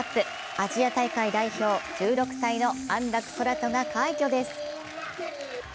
アジア大会代表、１６歳の安楽宙斗が快挙です。